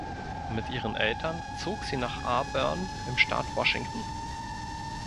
Mit ihren Eltern zog sie nach Auburn im Staat Washington.